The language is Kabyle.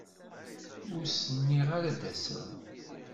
Ur s-nniɣ ara ad d-taseḍ.